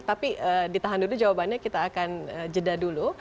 tapi ditahan dulu jawabannya kita akan jeda dulu